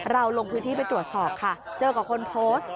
ลงพื้นที่ไปตรวจสอบค่ะเจอกับคนโพสต์